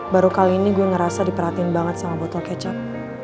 baru kali ini gue ngerasa diperhatiin banget sama botol kecap